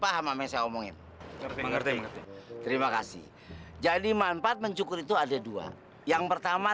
paham sama yang saya omongin mengerti terima kasih jadi manfaat mencukur itu ada dua yang pertama